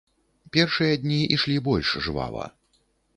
Першыя дні ішлі больш жвава.